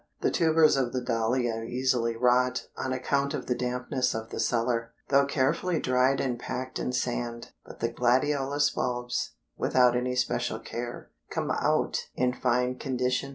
The tubers of the dahlia easily rot, on account of the dampness of the cellar, though carefully dried and packed in sand. But the gladiolus bulbs, without any special care, come out in fine condition.